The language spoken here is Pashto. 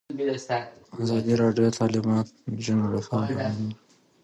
ازادي راډیو د تعلیمات د نجونو لپاره اړوند مرکې کړي.